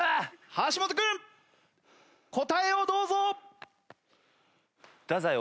橋本君答えをどうぞ！